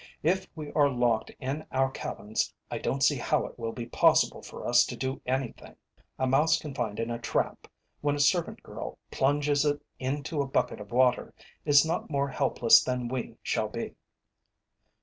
If we are locked in our cabins, I don't see how it will be possible for us to do anything. A mouse confined in a trap, when a servant girl plunges it into a bucket of water, is not more helpless than we shall be."